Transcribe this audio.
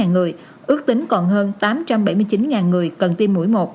tám hai trăm linh tám người ước tính còn hơn tám trăm bảy mươi chín người cần tiêm mũi một